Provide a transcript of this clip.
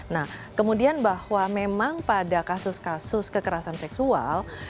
nah kemudian bahwa memang pada kasus kasus kekerasan seksual